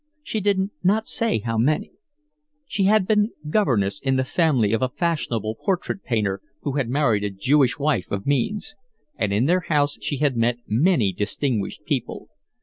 She did not say how many. She had been governess in the family of a fashionable portrait painter, who had married a Jewish wife of means, and in their house she had met many distinguished people.